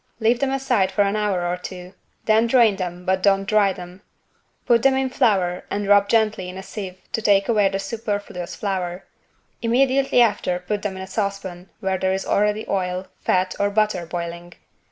Leave them aside for an hour or two, then drain them but don't dry them. Put them in flour and rub gently in a sieve to take away the superfluous flour: immediately after put them in a saucepan where there is already oil, fat or butter boiling.